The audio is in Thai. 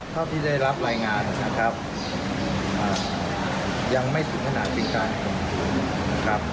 เท่าที่ได้รับรายงานนะครับยังไม่ถึงขนาดเป็นการนะครับ